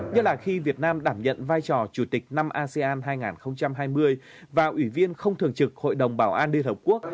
nhất là khi việt nam đảm nhận vai trò chủ tịch năm asean hai nghìn hai mươi và ủy viên không thường trực hội đồng bảo an liên hợp quốc